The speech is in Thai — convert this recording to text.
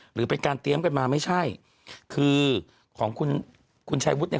หรือเป็นการเตรียมกันมาไม่ใช่คือของคุณคุณชายวุฒิเนี่ย